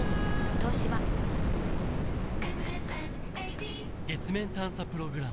東芝月面探査プログラム